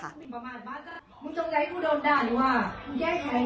เอางู้นมันจะพ้อบไปอันจรรย์ตรอดเต็มดำแดง